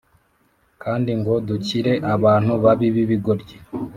kandi ngo dukire abantu babi b ibigoryi